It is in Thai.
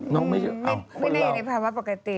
น้องไม่ได้ในภาวะปกติ